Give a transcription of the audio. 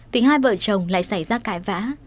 thì hai vợ chồng lại xảy ra cãi vã